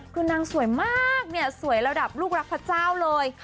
คือนางสวยมากเนี่ยสวยระดับลูกรักพระเจ้าเลย